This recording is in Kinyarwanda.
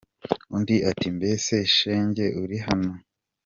Undi, ati “Mbese shenge uri hano?”.